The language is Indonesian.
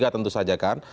tentu saja kan